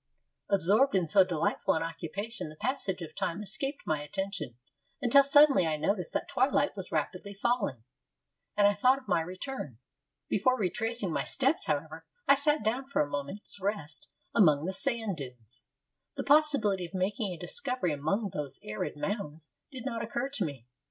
Absorbed in so delightful an occupation the passage of time escaped my attention, until suddenly I noticed that twilight was rapidly falling, and I thought of my return. Before retracing my steps, however, I sat down for a moment's rest among the sand dunes. The possibility of making a discovery among those arid mounds did not occur to me.